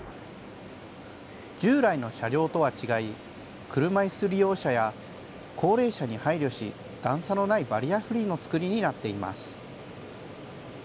従来の車両とは違い、車いす利用者や、高齢者に配慮し、段差のないバリアフリーの作りになっています。